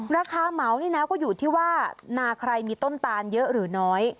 เหมานี่นะก็อยู่ที่ว่านาใครมีต้นตาลเยอะหรือน้อย